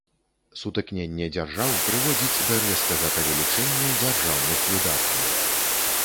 Сутыкненне дзяржаў прыводзяць да рэзкага павелічэння дзяржаўных выдаткаў.